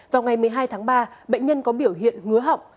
vào ngày một mươi hai tháng ba bệnh nhân có biểu hiện ngứa họng